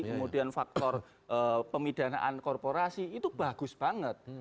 kemudian faktor pemidanaan korporasi itu bagus banget